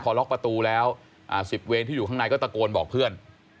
พอล็อกประตูแล้ว๑๐เวรที่อยู่ข้างในก็ตะโกนบอกเพื่อน